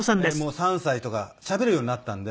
３歳とかしゃべるようになったんで。